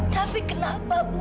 tapi kenapa bu